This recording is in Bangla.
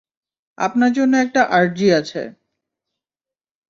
আপনার জন্য একটা আর্জি আছে।